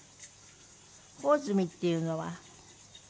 朴炭っていうのは？